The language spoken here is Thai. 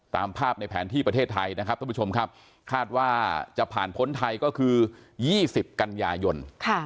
ตามภาพในแผนที่ประเทศไทยนะครับท่านผู้ชมครับคาดว่าจะผ่านพ้นไทยก็คือ๒๐กันยายน